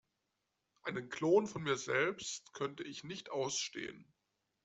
Einen Klon von mir selbst könnte ich nicht ausstehen.